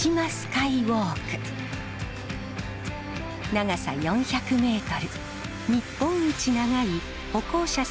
長さ４００ｍ